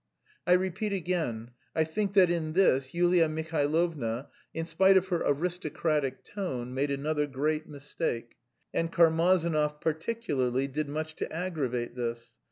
I repeat again, I think that in this, Yulia Mihailovna, in spite of her aristocratic tone, made another great mistake. And Karmazinov particularly did much to aggravate this.